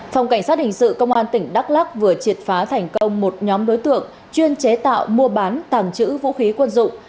phòng cảnh sát hình sự công an tỉnh đắk lắc vừa triệt phá thành công một nhóm đối tượng chuyên chế tạo mua bán tàng trữ vũ khí quân dụng